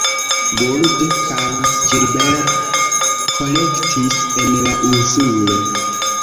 Gould kaj Gilbert kolektis en la insulo.